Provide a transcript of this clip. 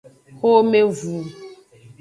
Xomevu.